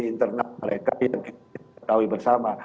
internal mereka yang kita ketahui bersama